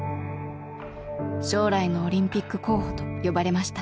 将来のオリンピック候補と呼ばれました。